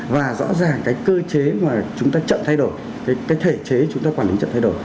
và rõ ràng cái cơ chế mà chúng ta chậm thay đổi cái thể chế chúng ta quản lý chậm thay đổi